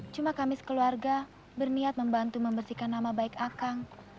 cuma kami sekeluarga berniat membantu membersihkan nama baik akang